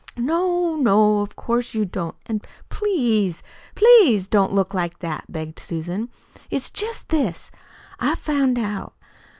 "No, no, of course you don't! An' please, PLEASE don't look like that," begged Susan. "It's jest this. I found out.